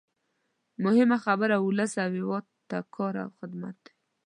مهمه خبره ولس او هېواد ته کار او خدمت دی.